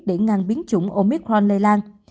để ngăn biến chủng omicron lây lan